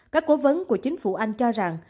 các cố vấn của chính phủ anh cho rằng